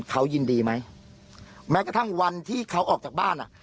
เขายินดีไหมแม้กระทั่งวันที่เขาออกจากบ้านอ่ะ